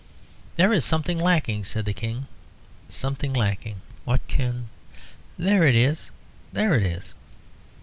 "There is something lacking," said the King "something lacking. What can Ah, there it is! there it is!"